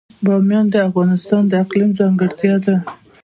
بامیان د افغانستان د اقلیم ځانګړتیا ده.